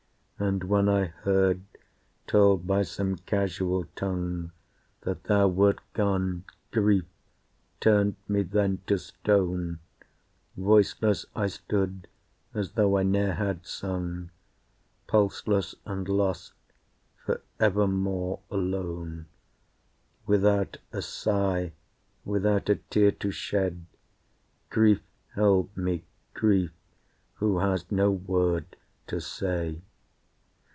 And when I heard, told by some casual tongue, That thou wert gone, Grief turned me then to stone, Voiceless I stood as though I ne'er had sung, Pulseless and lost, for ever more alone. Without a sigh, without a tear to shed, Grief held me, Grief who has no word to say.